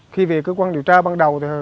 khi việc cơ quan điều tra ban đầu